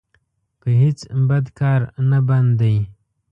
په هېڅ بد کار نه بند دی.